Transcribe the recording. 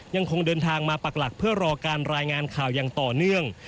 ยังคงเดินทางมาปักหลักเพื่อรอการรายงานข่าวอย่างต่อเนื่อง